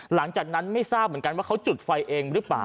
หลังจากนั้นไม่ทราบเหมือนกันว่าเขาจุดไฟเองหรือเปล่า